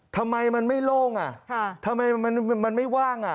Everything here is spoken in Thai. ทำไมมันไม่โล่งอ่ะทำไมมันไม่ว่างอ่ะ